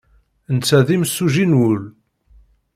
Netta d imsuji n wul.